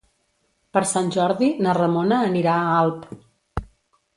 Per Sant Jordi na Ramona anirà a Alp.